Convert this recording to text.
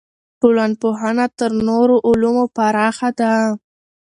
ټولنپوهنه تر نورو علومو پراخه ده.